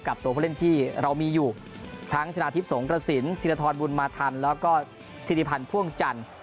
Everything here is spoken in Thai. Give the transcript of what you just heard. ตัวผู้เล่นที่เรามีอยู่ทั้งชนะทิพย์สงกระสินธิรทรบุญมาทันแล้วก็ธิริพันธ์พ่วงจันทร์